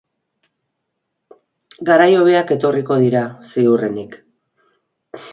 Garai hobeak etorriko dira, ziurrenik.